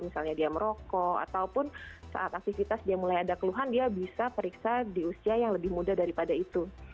misalnya dia merokok ataupun saat aktivitas dia mulai ada keluhan dia bisa periksa di usia yang lebih muda daripada itu